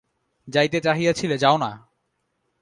যাইতে চাহিয়াছিলে, যাও-না।